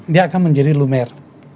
dia akan menjadi lumer